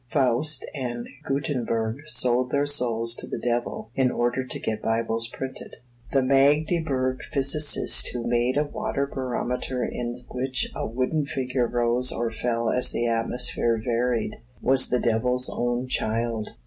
Faust and Gutenberg sold their souls to the devil, in order to get Bibles printed. The Magdeburg physicist, who made a water barometer in which a wooden figure rose or fell as the atmosphere varied, was the devil's own child.